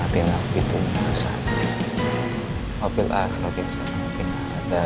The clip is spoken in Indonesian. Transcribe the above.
kita pulang ya kat